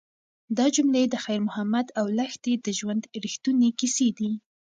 دا جملې د خیر محمد او لښتې د ژوند رښتونې کیسې دي.